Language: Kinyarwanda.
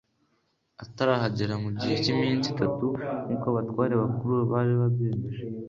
atarahageramu gihe cyiminsi itatu nkuko abatware bakuru bari babyemeje